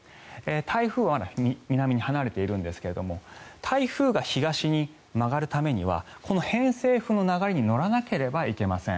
台風は南に離れているんですけど台風が東に曲がるためにはこの偏西風の流れに乗らなければいけません。